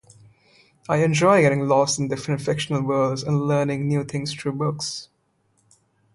I enjoy getting lost in different fictional worlds and learning new things through books.